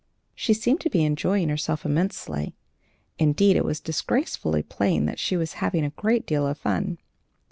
She seemed to be enjoying herself immensely; indeed, it was disgracefully plain that she was having a great deal of fun.